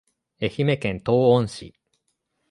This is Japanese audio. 愛媛県東温市